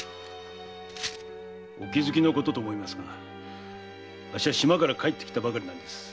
お気づきのことと思いますがあっしは島から帰ってきたばかりなんです。